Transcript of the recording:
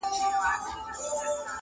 • درز به واچوي سينو کي -